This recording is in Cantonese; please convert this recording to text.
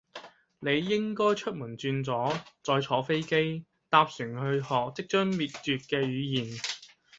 你應該出門轉左，再坐飛機，搭船去學即將滅絕嘅語言